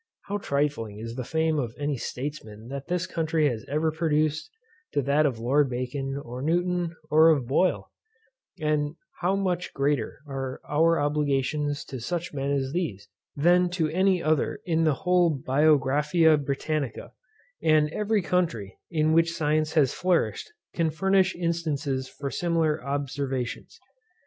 How trifling is the fame of any statesman that this country has ever produced to that of Lord Bacon, of Newton, or of Boyle; and how much greater are our obligations to such men as these, than to any other in the whole Biographia Britannica; and every country, in which science has flourished, can furnish instances for similar observations.